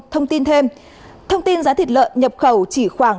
thông tin thêm thông tin giá thịt lợn nhập khẩu chỉ khoảng